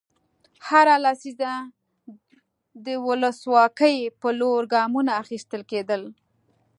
هره لسیزه د ولسواکۍ په لور ګامونه اخیستل کېدل.